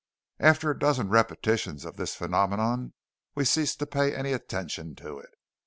After a dozen repetitions of this phenomenon we ceased to pay any attention to it.